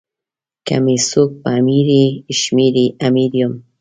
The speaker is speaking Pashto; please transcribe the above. که می څوک په امیری شمېري امیر یم.